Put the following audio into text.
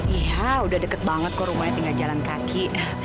iya udah deket banget kok rumahnya tinggal jalan kaki